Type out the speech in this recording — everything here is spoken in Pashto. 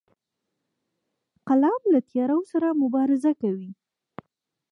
قلم له تیارو سره مبارزه کوي